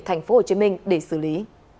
thành phố hồ chí minh để xử lý